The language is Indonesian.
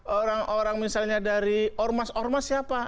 orang orang misalnya dari ormas ormas siapa